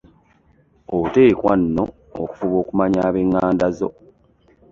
Oteekwa nno okufuba okumanya abenganda zo.